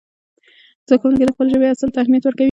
زده کوونکي د خپلې ژبې اصل ته اهمیت ورکوي.